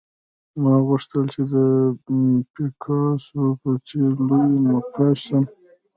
ما غوښتل چې د پیکاسو په څېر لوی نقاش شم